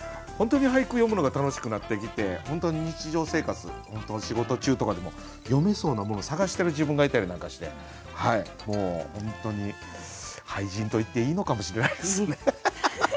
本当に俳句詠むのが楽しくなってきて本当に日常生活仕事中とかでも詠めそうなもの探してる自分がいたりなんかしてもう本当に俳人と言っていいのかもしれないですね。